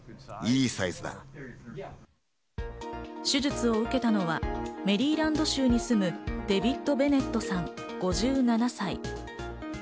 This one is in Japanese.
手術を受けたのはメリーランド州に住むデビッド・ベネットさん、５７歳。